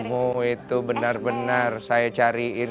kamu itu benar benar saya cariin